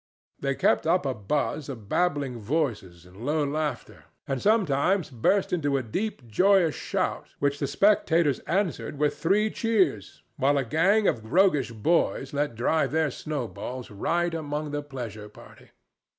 They kept up a buzz of babbling voices and low laughter, and sometimes burst into a deep, joyous shout which the spectators answered with three cheers, while a gang of roguish boys let drive their snow balls right among the pleasure party.